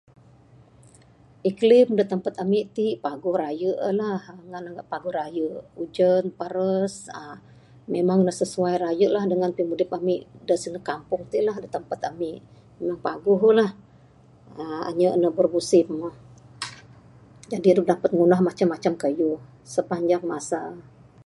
Iklam dak tempat ami t paguh raye la ngan paguh raye, ujan peras uhh memang ne sesuai raye la dengan pimudip ami dak sindek kampung ti la dak tempat ami memang paguh la uhh inyap ne bemusim jadi dep dapat ngundah keyuh sepanjang masa.